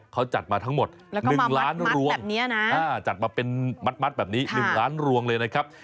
เขาจัดมาทั้งหมด๑ล้านรวงจัดมาเป็นมัดแบบนี้๑ล้านรวงเลยนะครับ